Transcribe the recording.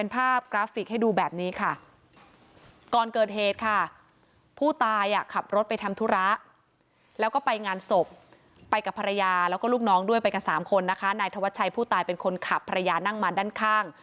ไปกับภรรยาแล้วก็ลูกน้องด้วยไปกัน๓คนนะคะนายธวัชชัยผู้ตายเป็นคนขับภรรยานั่งมาด้านข้าง